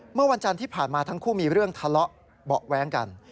เมื่อวันจันทร์ที่ผ่านมาทั้งคู่มีเรื่องทะเลาะเบาะแว้งกัน